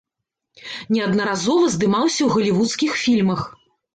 Неаднаразова здымаўся ў галівудскіх фільмах.